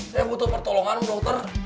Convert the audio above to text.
saya butuh pertolongan dokter